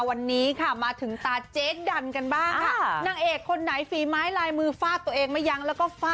วันนี้ค่ะมาถึงตาเจ๊ดันกันบ้างค่ะ